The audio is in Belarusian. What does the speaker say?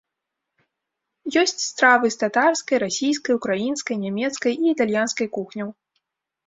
Ёсць стравы з татарскай, расійскай, украінскай, нямецкай і італьянскай кухняў.